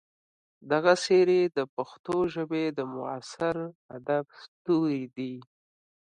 دغه څېرې د پښتو ژبې د معاصر ادب ستوري دي.